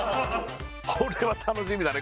これは楽しみだね